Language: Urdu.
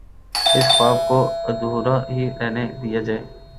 اس خواب کو ادھورا ہی رہنے دیا جائے۔